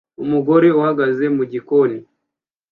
Umugore uhagaze mu gikoni